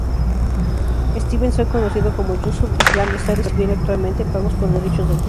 Stevens, hoy conocido como Yusuf Islam, está recibiendo actualmente pagos por derechos de autor.